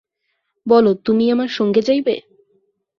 বলো, তুমি আমার সঙ্গে যাইবে?